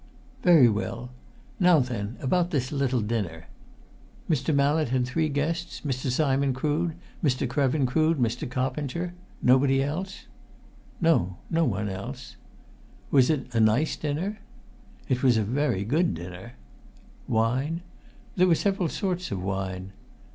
"Very well! Now then, about this little dinner. Mr. Mallett had three guests, Mr. Simon Crood, Mr. Krevin Crood, Mr. Coppinger? Nobody else?" "No; no one else." "Was it a nice dinner?" "It was a very good dinner." "Wine?" "There were several sorts of wine."